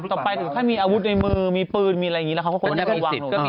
ต่อไปคือมีอาวุธในมือมีปืนมีอะไรอย่างนี้แล้วก็คงคนเดาะวาง